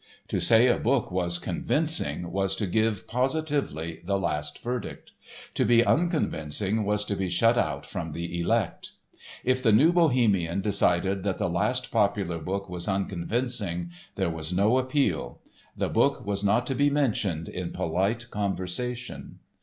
To say a book was convincing was to give positively the last verdict. To be "unconvincing" was to be shut out from the elect. If the New Bohemian decided that the last popular book was unconvincing, there was no appeal. The book was not to be mentioned in polite conversation.